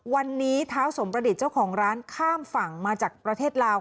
วันนี้เท้าสมประดิษฐ์เจ้าของร้านข้ามฝั่งมาจากประเทศลาว